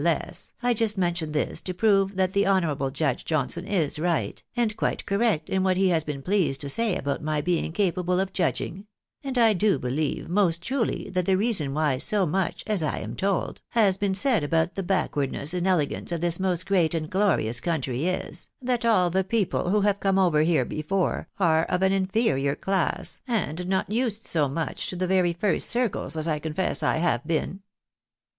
less, I just mention this to prove that the honourable Judge Johnson is right, and quite correct in what he has been pleased to say about my being capable of judging ; and I do beheve most truly that the reason why so much, as I am told, has been said about the backwardness in elegance of this most great and glorious country is, that all the people who have come over here before are of an inferior class, and not used so much to the very first circles, as I confess I have been."